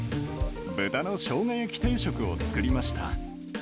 豚のしょうが焼き定食を作りました。